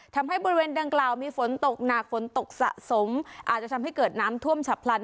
ทำให้บริเวณดังกล่าวมีฝนตกหนักฝนตกสะสมอาจจะทำให้เกิดน้ำท่วมฉับพลัน